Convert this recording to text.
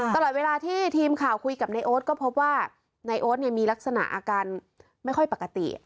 ตลอดเวลาที่ทีมข่าวคุยกับนายโอ๊ตก็พบว่านายโอ๊ตมีลักษณะอาการไม่ค่อยปกติ